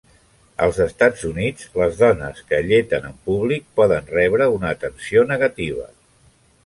Als Estats Units, les dones que alleten en públic poden rebre una atenció negativa.